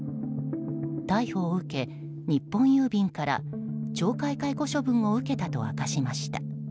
逮捕を受け、日本郵便から懲戒解雇処分を受けたと明かしました。